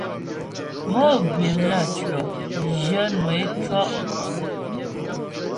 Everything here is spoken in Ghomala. Mò gwìm naə́tʉɔ̂, zhwyə̂nwə é cɔ́'.